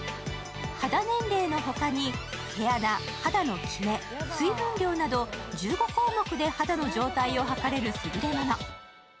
肌年齢のほかに毛穴、肌のきめ、水分量など、１５項目で肌の状態をはかれる優れもの。